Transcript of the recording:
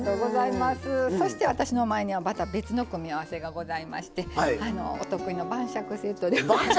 そして、私の前にはまた別の組み合わせがございましてお得意の晩酌セットです。